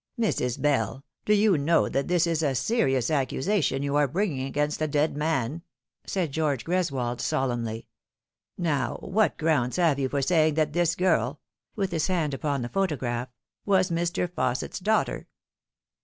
" Mrs. Bell, do you know that this is a serious accusation you are bringing against a dead man ?" said George Greswold The Sins of the Fathers. 1 49 solemnly. " Now, what grounds have you for saying that this girl " with his hand upon the photograph " was Mr. Fausset's daughter